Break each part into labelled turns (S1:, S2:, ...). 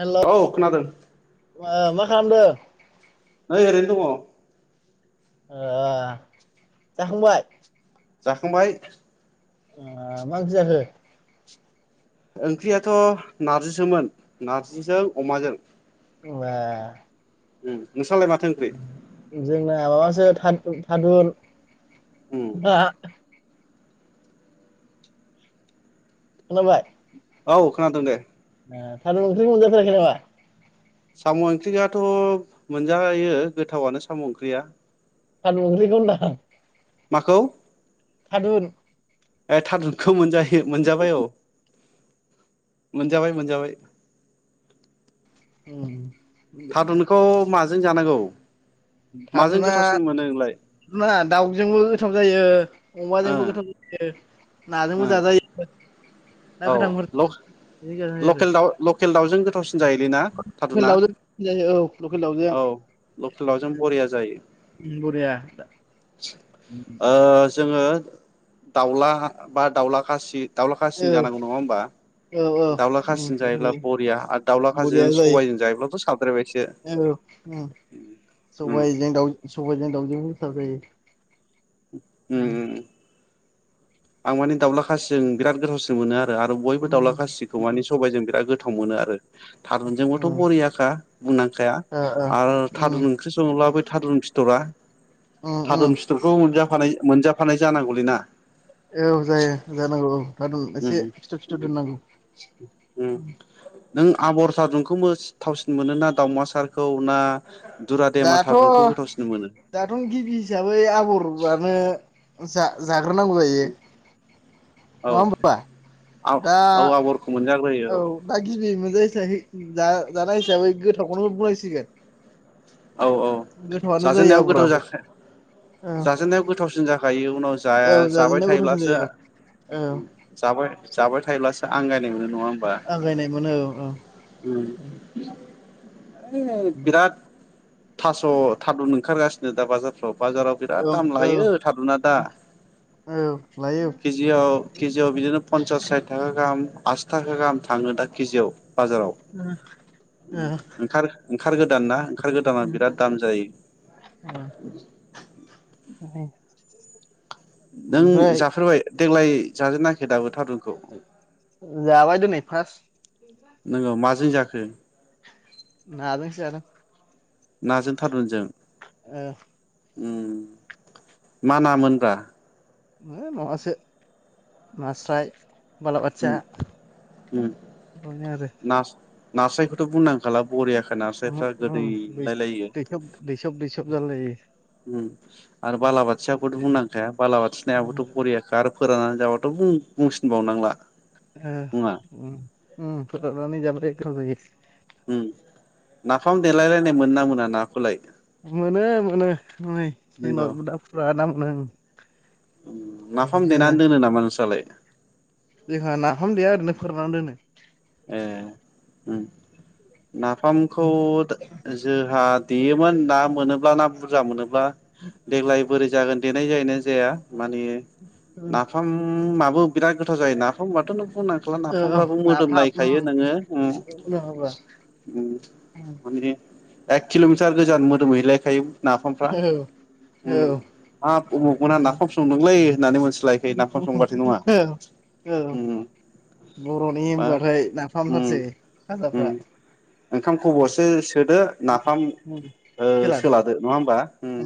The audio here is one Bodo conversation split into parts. S1: हेल'
S2: औ खोनादों
S1: मा मा खालामदों
S2: नै ओरैनो दङ
S1: जाखांबाय?
S2: जाखांबाय।
S1: मा ओंख्रि जाखो?
S2: ओंख्रियाथ' नारजिसोमोन नारजिजों अमाजों
S1: बाह
S2: ओम नोंसालाय माथ
S1: जोंना माबासो थाद थादुन आ खोनाबाय
S2: औ खोनादों दे
S1: थारुन ओंख्रि मोनजाफेराखै नामा
S2: साम' ओंख्रिआथ' मोनजायो गोथावआनो साम' ओंख्रिया
S1: थारुन ओंख्रिखौ होनदां।
S2: माखौ
S1: थादुन
S2: ए थादुनखौ मोनजायो मोनजाबाय औ मोनजाबाय मोनजाबाय
S1: उम
S2: थादुनखौ माजों जानांगौ माजों
S1: थादुना
S2: गोथावसिन मोनो नोंलाय
S1: ना दाउजोंबो गोथाव जायो।
S2: ओ
S1: अमाजोंबो गोथाव जायो नाजोंबो जायो।
S2: औ लावस
S1: आरो
S2: लकेल दाउ लकेल दाउजों गोथावसिन जायोलै ना
S1: लकेल
S2: थादुना
S1: दाउजों जायो लकेल दाउजों
S2: औ। औ लकेल दाउजों बरिया जायो।
S1: बरिया दा।
S2: ओ जोङो दाउला बा दाउला खासि दाउला
S1: औ
S2: खासिजों जानांगौ नङा होमबा।
S1: औ औ
S2: दाउला खासिजों जायोब्ला बरिया आरो दाउला
S1: बरिया
S2: खासिजों
S1: जायो
S2: सबाइजों जायोब्लाथ' साबद्रायबायसो
S1: औ
S2: उम
S1: सबाइजों दाउ सबाइजों दावजोंबो गोथाव जायो। उम।
S2: आं माने दाउला खासिजों बिरात गोथावसिन मोनो आरो आरो बयबो दाउला
S1: उम
S2: खासिखौ माने सबाइजों बिराद गोथाव। गोथाव मोनो आरो। थारुनजोंबोथ'
S1: उम
S2: बरियाखा बुंनांखाया
S1: ओ ओ
S2: आरो
S1: उम
S2: थारुन ओंख्रि सङोब्लाबो थारुन फिथरा
S1: उम
S2: थारुन
S1: उम
S2: फिथरखौ मोनजाफानाय मोनजाफानाय जानांगौलै ना।
S1: औ जायो जानांगौ औ दादु एसे
S2: उम
S1: फिथर फिथर दोननांगौ।
S2: नों आबर सादुनखौ मोस थावसिन मोनो ना दावमासारखौ ना। दुरादेमा
S1: दाथ'
S2: थारुनखौ गोथावसिन मोनो?
S1: दाथ' गिबि हिसाबै आबरफ्रानो जा जाग्रोनांगौ जाहैयो नङा होमबा।
S2: आ औ आबरखौ मो
S1: औ दा गिबि मोनजायिसाबै जा जानाय हिसाबै गोथावखौनो बुंनांसिगोन।
S2: औ औ
S1: गोथावआनो जायो
S2: जाजेननायाव गोथाव
S1: आबराबो
S2: जाखाया।
S1: औ
S2: जाजेननायाव गोथावसिन जाखायो उनाव
S1: औ
S2: जाया जाबाय
S1: जाजेननायाव गोथावसिन
S2: थायोब्लासो।
S1: जायो औ औ
S2: जाबाय जाबाय थायोब्लासो। आंगायनाय मोननो नङा होमबा?
S1: आंगायनाय मोनो औ
S2: ओम। बिराद थास' थारुन ओंखारगासिनो दा बाजारफ्राव। बाजाराव बिराद
S1: औ
S2: दाम
S1: औ
S2: लायो थारुना दा
S1: औ लायो
S2: केजियाव। केजिव बिदिनो पन्सास साथि थाखा गाहाम आसि थाखा गाहाम थाङो दा केजियावव। बाजाराव
S1: ओ ओ
S2: ओंखार गोदान ना? दामा बिराद दाम जायो।
S1: ओमफ्राय [inaudible]
S2: नों जाफेरबाय देग्लाय जाजेनाखै दाबो थारुन?
S1: जाबाय दिनै फार्स्ट।
S2: नोंगौ माजों जाखो?
S1: नाजोंसो जादों।
S2: नाजों थारुन जों?
S1: ओ।
S2: मा नामोनब्रा?
S1: ओ‌ माबासो नास्राय। बाला बाथिया
S2: उम उम
S1: आरो।
S2: नास नास्रायखौथ' बुंनांखाला। बरियाखा नास्रायफ्रा
S1: उम दै
S2: गोदैलायलायो।
S1: दैसब दैसब दैसब जालायो
S2: उ आरो बालाबाथियाखौथ' बुंनांखाया बालाबाथि नायाबोथ' बरियाखा आरो फोराननानै जाबाथ' बुंसिनबावनांला
S1: ओ
S2: मुङा
S1: फोराननानै जाबाथाय गोथाव जायो।
S2: ओम नाफाम देलायलायनाय मोनो ना मोना नाखौलाय?
S1: मोनो मोनो नै
S2: नोंगौ
S1: जोंनाव दा फुरा ना मोनो ओं
S2: नाफाम
S1: जाया
S2: देनानै दोनो नामा नोंस्रलाय?
S1: जोंहा नाफाम देया ओरैनो फोरनानै दोनो
S2: ए ओम नाफामखौ जोंहा देयोमोन ना मोनोब्ला ना बुरजा मोनोब्ला बा देग्लाय बोरै जागोन देनाय जायोना जाया माने
S1: दोनो
S2: नाफामाबो बिराद गोथाव जायो नाफामबाथ' नों
S1: ओ
S2: [unintelligible]
S1: औ
S2: फामफ्राबो
S1: नाफाम
S2: मोदोमलायो।
S1: उम
S2: दायो नोङो
S1: उनाव होबा
S2: माने एक किल'मिटार गोजान मोदोम हैलायखायो नाफामफ्रा
S1: औ औ
S2: हाब उमुगमना नाफाम संदोंलै होननानै। मोनथिलायखायो नाफाम संबाथाय नङा
S1: औ औ
S2: उम
S1: बर'नि
S2: बा
S1: हनबाथाय ना
S2: उम
S1: खालामथारसै
S2: उम
S1: खाजाफ्रा
S2: ओंखाम खब'से सोदो नाफाम
S1: [inaudible]
S2: ओ
S1: सोलादो
S2: सोलादो नङा होमबा उम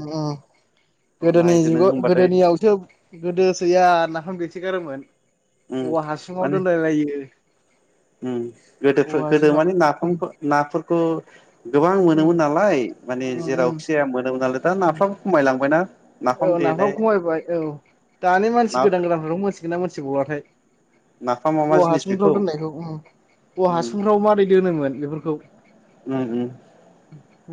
S1: गोदोनि
S2: नायदो नों
S1: जुगाव
S2: होमबाथाय
S1: गोदोनियावसो गोदोसोया नाफाम देसोगारोमोन
S2: उम
S1: औवा हासुङाव दोनलायलायो।
S2: ओम गोदो
S1: औवा
S2: गोदो
S1: हासुङाव
S2: माने नाफाम नाफोरखौ गोबां मोनोमोन नालाय माने जेरावखि जाया मोनोमोन नालाय दा नाफ्राबो खमायलांबायना नाफाम
S1: औ
S2: देनाय
S1: नाफाव खमायबाय औ दानि
S2: ना
S1: मानसि गोदान गोदानफोरखौ मोनथिगोन ना मोनथिबावाथाय?
S2: नाफामा मा
S1: औवा
S2: जिनिस बेखौ
S1: हासुंफ्राव दोननायखौ औवा
S2: उम
S1: हासुंफ्राव मारै दोनोमोन बेफोरखौ
S2: उम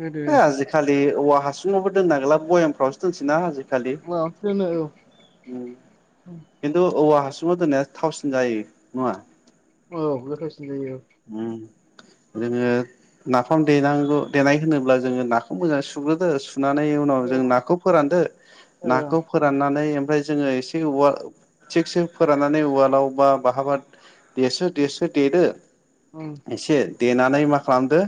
S1: गोदो
S2: आजिखालि औवा हासुङावबो दोननांला बयाम यावसो दोनसै ना‌ आजिखालि
S1: माबासो दोनो
S2: खिन्थु औवा हासुङाव दोननाय थावसिन जायो नङा
S1: औ गोथावसिन जायो।
S2: उम जोङो नाफाम देनांगौ देनाय होनोब्ला जोङो नाखौ मोजां सुग्रोदो सुनानै उनाव
S1: औ
S2: जों नाखौ फोरानदो
S1: एसे
S2: नाखौ फोराननानै ओमफ्राय जोङो एसे थिगसो फोराननानै उवालाव बा बाहाबा देसो देसो देदो
S1: खम
S2: एसे देनानै मा खालामदो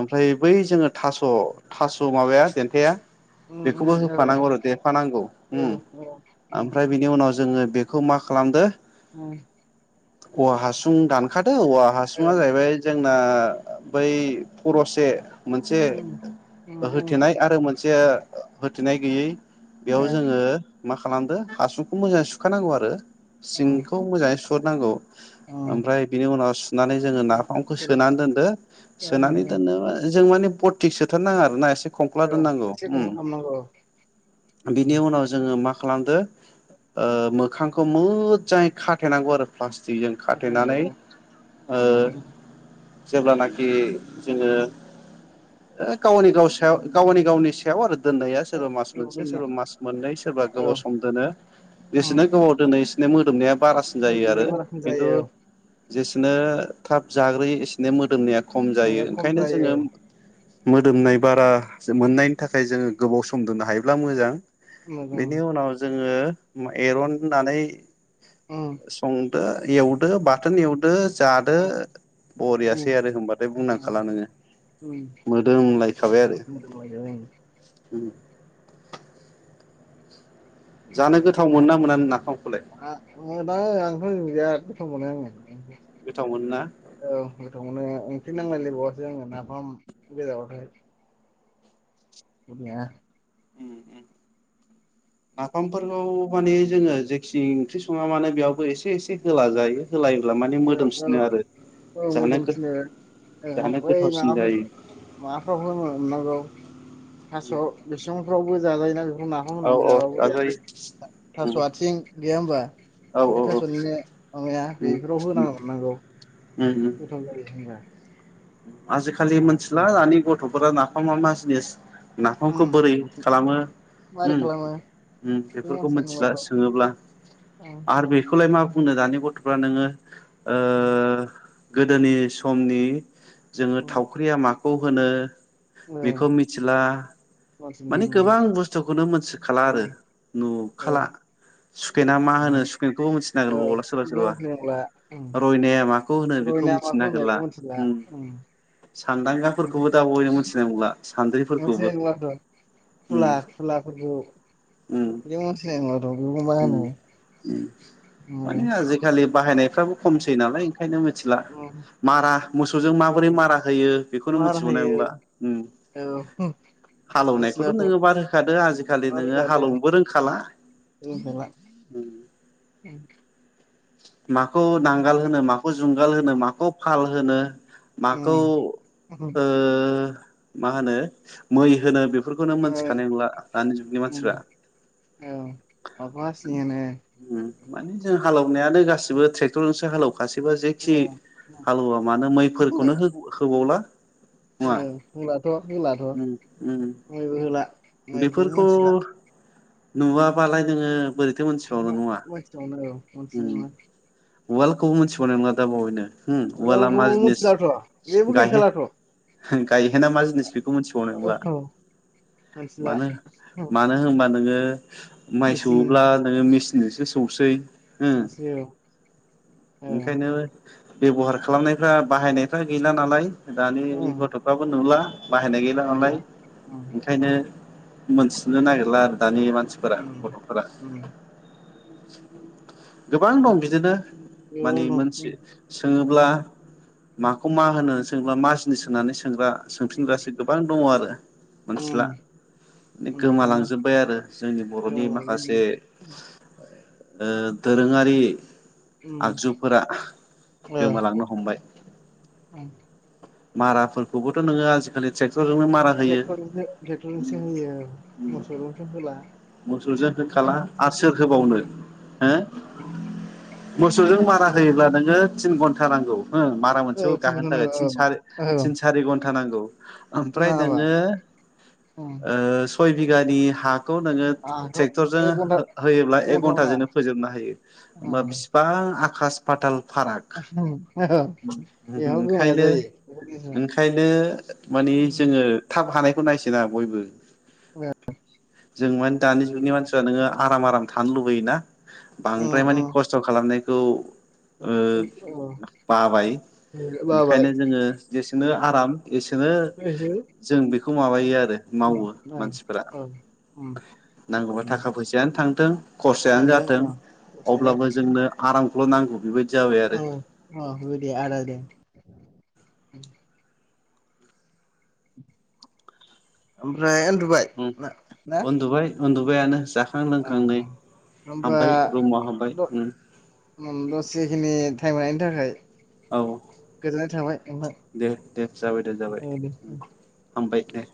S2: ओमफ्राय बै जोङो थास' थास' माबाया देन्थाया बेखौबो होफानांगौ आरो देफानांगौ ओमफ्राय बिनि उनाव जोङो बेखौ मा खालामदो।
S1: औ।
S2: औवा हासुं दानखादो औवा हासुङा जाहैबाय जों बा बै फर'से मोनसे होथेनाय आरो मोन मोनसे होथेनाय गैयै बेयाव जोङो मा खालामदो हासुंखौ मोजाङै सुखानांगौ आरो सिंखौ मोजाङै सुहरनांगौ। ओमफ्राय बिनि उनाव सुनानै जोङो नाफामखौ सोनानै दोनदो सोनानै
S1: खालामनांगौ
S2: दोनोबा जों माने बरटिक सोथार नाङा आरोना एसे खंख्ला दोननांगौ बिनि उनाव जोङो मा खालामदो मोखांखौ मोजाङै खाथेनांगौ आरो प्लाटिक जि जों खाथेनानै ओ
S1: औ।
S2: जेब्लानाखि जोङो गावनि गाव सायाव गावनि गावनि सायाव आरो। दोननाया
S1: औ
S2: सोरबा मास मोनसे
S1: लुबैनाया
S2: सोरबा मास मोननै सोरबा गोबाव सम दोनो बेसोनो गोबाव दोनो एसेनो मोदोमनाया बारासिन जायो आरो
S1: बारा खम
S2: खिन्थु
S1: जायो औ
S2: जेसेबांनो थाब जाग्रोयो एसेनो मोदोमनाया खम जायो
S1: मोजां खम
S2: ओंखायनो जोङो
S1: जायो औ
S2: मोदोमनाय बारा मोननायनि थाखाय जोङो गोबाव सम दोननो हायोब्ला मोजां।
S1: मोजां
S2: बेनि उनाव जोङो एरननानै संदो एवदो बाथोन एवदो दो जादो बरियासै आरो होनबाथाय बुंनांखाला नोङो मोदोमलायखाबाय आरो। जानो
S1: [unintelligible]
S2: गोथाव मोनोना मोना नाफामखौलाय
S1: समावनो आङो औ
S2: गोथाव मोनोना
S1: गोथावमोनो ओंख्रि नांलायलायबावासै आंनो नाफाम [unintelligible] [inaudible]
S2: नाफामफोरखौ माने जोङो जेखि ओंख्रि सङा मानो बेयावबो एसे एसे होला जायो होलायोब्ला माने
S1: औ औ
S2: मोदोमसिनो आरो जानो
S1: ए
S2: जानो
S1: ओमफ्राय
S2: गोथावसिन जायो
S1: [unintelligible] थास' बिसंफ्रावबो जाजायो ना जों नाखौ
S2: औ
S1: होनानै
S2: औ
S1: जाब्ला बोरै
S2: जाजायो
S1: जागोनथाय थास' आथिं गैया होमब्ला
S2: औ औ
S1: बे
S2: औ
S1: थास'निनो माबाया बेफोराव होना हरनांगौ गोथाव जायो होमब्ला
S2: आजिखालि मोनथिला दानि गथ'फोरा ना नाफामा मा जिनिस
S1: उम
S2: नाफामखौ बोरै खालामो
S1: मारै खालामो
S2: उम-उम
S1: बे
S2: बेफोरखौ
S1: मानसिया
S2: मिथिला
S1: नुबाथ' औ
S2: सोङोब्ला आरो बेखौलाय मा बुंनो दानि गथ'फ्रा नोङो ओ गोदोनि समनि जोङो
S1: औ
S2: थावख्रिया माखौ होनो
S1: औ
S2: बेखौ मिथिला
S1: मानसि
S2: माने
S1: नुनायाव
S2: गोबां बुस्थुखौनो मोनथिखाला आरो
S1: उम औ
S2: नुखाला सुखेना मा
S1: उम।
S2: होनो सुकेनखौ मिथि
S1: औ बेखौ
S2: नागिरबावला सोरबा
S1: मिथिनाय
S2: सोरबा
S1: नंला
S2: रयनाया माखौ होनो बेखौ
S1: रयना
S2: मिथिनो
S1: माखौ होनो
S2: नागिरला
S1: बेखौ मिथिला
S2: सान्दांगाफोरखौबो दा बयनो मिथिनाय नंला सान्द्रिफोरखौबो उम
S1: फुला फुलाफोरबो
S2: उम
S1: [unintelligible] बेखौबा
S2: उम
S1: मा बुङो
S2: बाहायनायफोराबो खमसै नालाय ओंखायनो मोनथिला मारा मोसौजों मावो माबोरै मारा होयो बेखौनो
S1: मार
S2: मोनथिबावनाय
S1: होयो
S2: नंला उम
S1: औ
S2: हालएवनायखौथ'
S1: मिथिलाथ'
S2: नोङो मार होखादों आजिखालि
S1: मार
S2: नोङो
S1: रोगा रोगा
S2: हालएवनोबो रोंखाला नों
S1: ए
S2: माखौ नांगाल होनो माखौ जुंगाल होनो माखौ फाल होनो माखौ
S1: उम
S2: ओ मा होनो मै होनो बे बेफोरखौनो
S1: मारै
S2: मोनथिखानाय नंला दानि जुगनि मानसिफ्रा
S1: बाबसनियानो
S2: माने जों हालौनायानो गासिबो ट्रेक्टरजों हालौ गासैबो जेखि
S1: होनो
S2: हालुवा मानो मैफोरखौनो होबावला
S1: उम
S2: नङा
S1: होनब्लाथ' होनलाथ'
S2: उम उम
S1: बयबो होला मैखौबो
S2: बेफोरखौ
S1: मिथिला
S2: नुवाबालाय नोङो बोरैथो मोनथिबावल
S1: ओहो
S2: नङा
S1: मिथिबावनो औ मिथिनाय नंला
S2: वार्ल्डखौबो मिथिबावनाय नङा दा बावैनो हो वालआ
S1: बेखौबो
S2: मा जिनिस
S1: मिथिलाथ' बेबो
S2: गायहे
S1: गैखालाथ'
S2: गायहेना मा जिनिस बेखौ मोनथिबाव नंला
S1: मिथिला
S2: मानो मानो होनबा नोङो माइ
S1: मेचिन
S2: सौव्ला नोङो मेचिनजोंसो सौसै ओ
S1: सो औ
S2: ओंखायनो बेब'हार खालामनायफ्रा बाहायनायफ्रा गैला नालाय दानि
S1: ओं
S2: गथ'फ्राबो नुला बाहायनाय गैला नालाय
S1: नंगौना ओम
S2: ओंखायनो मोनथिनो नागिरला आरो दानि मानसिफोरा
S1: ओम
S2: गथ'फोरा
S1: ओम
S2: गोबां दं बिदिनो माने
S1: गोबां दं
S2: मोनसे
S1: ओम
S2: सोङोब्ला माखौ मा होनो सोंब्ला जिनिस होनानै सोंग्रा सोंफिनग्रासो गोबां दङ आरो मोनथिला
S1: ओम
S2: माने
S1: ओम ओम
S2: गोमालांजोबबाय आरो जोंनि बर'नि माखासे दोरोङारि
S1: ओम
S2: आगजुफोरा
S1: औ
S2: गोमालांनो हमबाय माराफोरखौबोथ' नोङो आजिखालि ट्रेक्टरजोंनो मारा होयो
S1: टेक्टरसो होयो मोसौजोंसो होला
S2: मोसुरजों होखाला
S1: दा
S2: आरो सोर होबावनो हो मोसौजों मारा होयोब्ला नोङो थिन घन्टा नांगौ हो मारा मोनसे
S1: औ थिन
S2: गाहोनो
S1: घन्टा
S2: थाखाय
S1: नांगौ
S2: थिन सारि
S1: औ
S2: तिन सारि घन्टा नांगौ ओमफ्राय
S1: नाङाबा
S2: नोङो
S1: ओम
S2: ओ सय बिगानि हा खौ नोङो ट्रेक्टर
S1: आंहाथ'
S2: जों
S1: एक घन्टा
S2: होयोब्ला एक
S1: घन्टाबो नाङा
S2: घन्टाजोंनो फोजोबनो हायो हबा
S1: ओम
S2: बिसिबां हा खास फाताल फाराग
S1: औ बेयाव गोमाया
S2: ओंखायनो
S1: जायो
S2: ओंखायनो मानि
S1: उम
S2: जोङो थाब हानायखौ नायसोना बयबो।
S1: उम
S2: जों मानि दानि जुगनि मानसिफ्रा नोङो आराम आराम थानो लुबैयो ना? बांद्राय
S1: औ
S2: मानि खस्थ' खालामनायखौ ओ बाबाय
S1: बाबाय
S2: ओंखायनो जोङो जेसेनो आराम एसेनो
S1: थांथों
S2: जों बेखौ माबायो आरो मावो मानसिफोरा नांगौबा थाखा फैसायानो थांथों खरसायानो जाथों
S1: औ दसे
S2: अब्लाबो
S1: जाथों
S2: जोंनो आराम खौल' नांगौ बेबायदि जाबाय आरो
S1: औ अ दे आदा दे। ओमफ्राय उन्दुबाय
S2: उम
S1: ना ना?
S2: उन्दुबाय उन्दुबायानो जाखां
S1: अ
S2: लोंखां नै हाबबाय रुमाव हाबबाय।
S1: उम दसेखिनि टाइम लानायनि थाखाय।
S2: औ
S1: गोजोननाय थाबाय नोंथां
S2: दे दे जाबाय दे
S1: औ
S2: जाबाय।
S1: दे
S2: हामबाय दे।